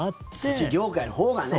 寿司業界のほうがね。